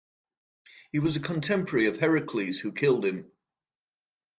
He was a contemporary of Heracles, who killed him.